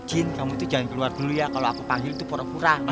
jin kamu itu jangan keluar dulu ya kalau aku panggil itu pura pura